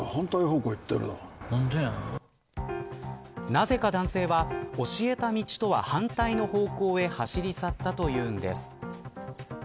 なぜか男性は教えた道とは反対の方向へ走り去ったというんです。